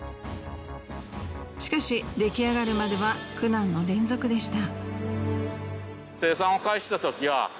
しかし出来上がるまでは苦難の連続でした。